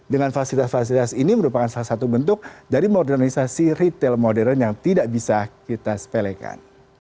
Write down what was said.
dengan fasilitas fasilitas ini merupakan salah satu bentuk dari modernisasi retail modern yang tidak bisa kita sepelekan